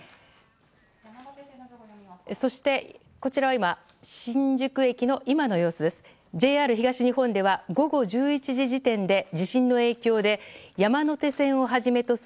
そして、こちらは新宿駅の今の様子です。